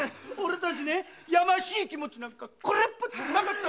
やましい気持ちなんかこれっぽっちもなかった！